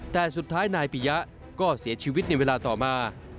แต่สุดท้ายนายปียะก็เสียชีวิตในเวลาต่อมา